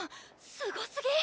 すごすぎ！